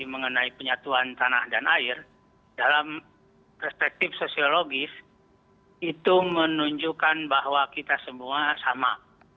mengenai penyatuan tanah dan air dalam perspektif sosiologis itu menunjukkan bahwa kita semua sama